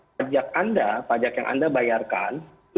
pajak anda pajak yang anda bayarkan